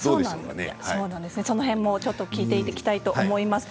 その辺も聞いていきたいと思います。